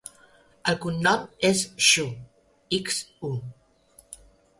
El cognom és Xu: ics, u.